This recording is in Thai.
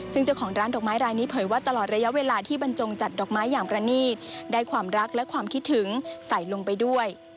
ซึ่งเจ้าของร้านดอกไม้รายนี้เผยว่าตลอดระยะเวลาที่บรรจงจัดดอกไม้อย่างประนีตได้ความรักและความคิดถึงใส่ลงไปด้วย